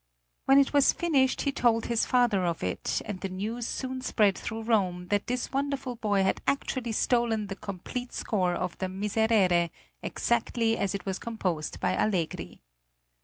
When it was finished he told his father of it, and the news soon spread through Rome that this wonderful boy had actually stolen the complete score of the "Miserere" exactly as it was composed by Allegri.